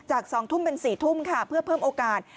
จากสองทุ่มเป็นสี่ทุ่มค่ะเพื่อเพิ่มโอกาส